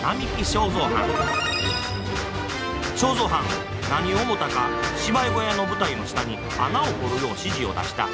正三はん何を思たか芝居小屋の舞台の下に穴を掘るよう指示を出した。